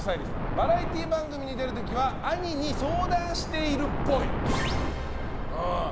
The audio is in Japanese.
バラエティ番組に出る時は兄に相談しているっぽい。